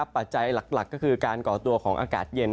ปัจจัยหลักก็คือการก่อตัวของอากาศเย็น